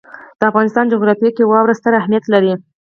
د افغانستان جغرافیه کې واوره ستر اهمیت لري.